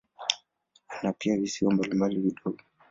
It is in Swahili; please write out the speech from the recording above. Ina pia visiwa mbalimbali vidogo.